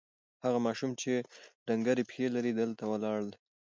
هغه ماشوم چې ډنګرې پښې لري، دلته ولاړ دی.